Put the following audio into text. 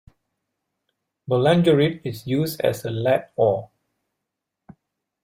Boulangerite is used as a lead ore.